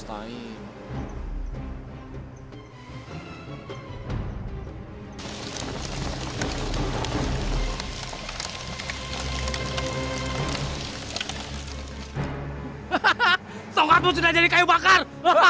tongkatmu sudah jadi kayu bakar